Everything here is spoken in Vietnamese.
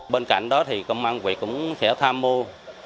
bên cạnh đó thì công an quyệt cũng sẽ tham mưu